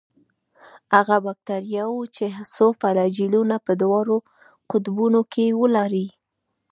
هغه باکتریاوې چې څو فلاجیلونه په دواړو قطبونو کې ولري.